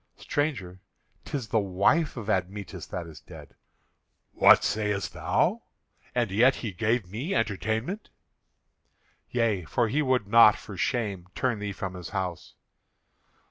"Stranger, 'tis the wife of Admetus that is dead." "What sayest thou? And yet he gave me entertainment?" "Yea, for he would not, for shame, turn thee from his house."